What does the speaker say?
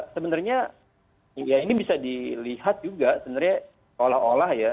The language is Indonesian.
sebenarnya ini bisa dilihat juga sebenarnya olah olah ya